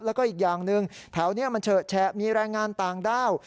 แล้วก็อีกอย่างหนึ่งแถวนี้มันเฉอะแฉะมีแรงงานต่างด้าว